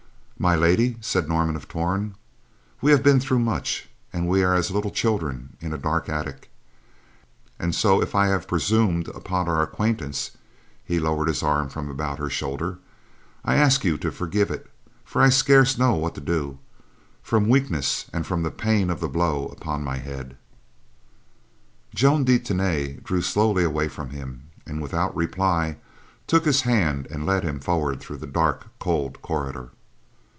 "My Lady," said Norman of Torn, "we have been through much, and we are as little children in a dark attic, and so if I have presumed upon our acquaintance," and he lowered his arm from about her shoulder, "I ask you to forgive it for I scarce know what to do, from weakness and from the pain of the blow upon my head." Joan de Tany drew slowly away from him, and without reply, took his hand and led him forward through a dark, cold corridor.